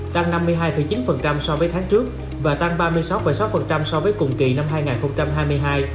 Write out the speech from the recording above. tăng năm mươi hai chín so với tháng trước và tăng ba mươi sáu sáu so với cùng kỳ năm hai nghìn hai mươi hai